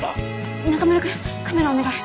中村くんカメラお願い！